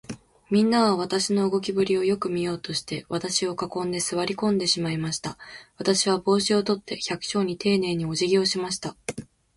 みんなは、私の動きぶりをよく見ようとして、私を囲んで、坐り込んでしまいました。私は帽子を取って、百姓にていねいに、おじぎをしました。